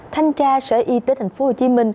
thanh tra sở y tế tp hcm